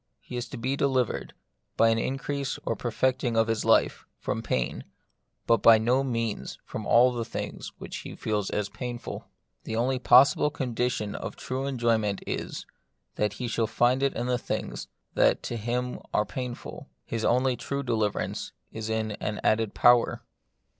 He is to be delivered, by an increase or per fecting of his life, from pain, but by no means from all the things he feels as painful. The only possible condition of a true enjoyment is, that he shall find it in things that to him are painful ; his only true deliverance is in an added power.